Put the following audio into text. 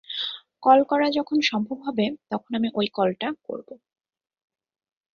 Call করা যখন সম্ভব হবে তখন আমি ওই কলটা করব।